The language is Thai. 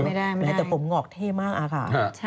แม้แต่ผมหงอกเท่มากอะค่ะ